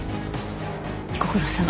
ご苦労さま。